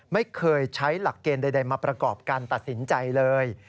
ไม่เคยใช้หลักเกณฑ์ใดมาประกอบการตัดสินใจเลย